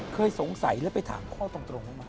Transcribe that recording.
เคยสงสัยแล้วไปถามข้อตรงบ้างไหม